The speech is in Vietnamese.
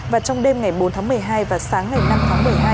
và trong đêm ngày bốn tháng một mươi hai và sáng ngày năm tháng một mươi hai